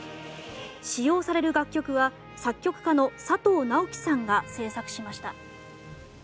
使用される楽曲は作曲家の佐藤直紀さんが制作しました。